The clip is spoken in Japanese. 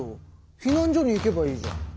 避難所に行けばいいじゃん。